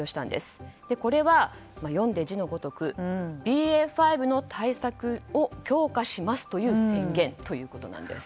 これは読んで字のごとくＢＡ．５の対策を強化しますという宣言ということなんです。